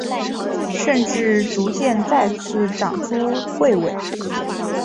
甚至逐渐再次长出彗尾。